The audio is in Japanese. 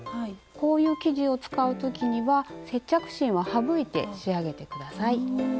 こういう生地を使う時には接着芯を省いて仕上げて下さい。